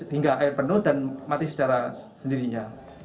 hingga air penuh dan mati secara sendirinya